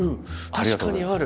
ありがとうございます。